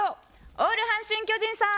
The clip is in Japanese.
オール阪神・巨人さん！